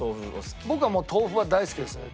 僕はもう豆腐は大好きですね。